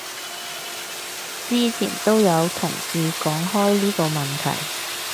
之前都有同事講開呢個問題